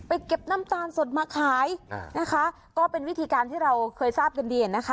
เก็บน้ำตาลสดมาขายนะคะก็เป็นวิธีการที่เราเคยทราบกันดีนะคะ